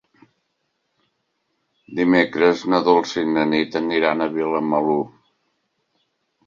Dimecres na Dolça i na Nit aniran a Vilamalur.